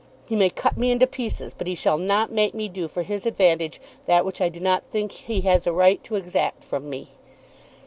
"He may cut me into pieces, but he shall not make me do for his advantage that which I do not think he has a right to exact from me."